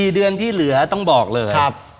๔เดือนที่เหลือต้องบอกเลย